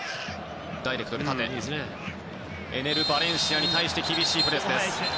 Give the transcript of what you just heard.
エネル・バレンシアに対して厳しいプレスです。